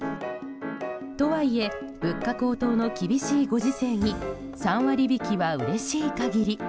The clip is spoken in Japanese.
とはいえ物価高騰の厳しいご時世に３割引きはうれしい限り。